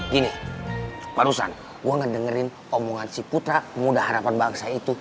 gini barusan gue ngedengerin omongan si putra muda harapan bangsa itu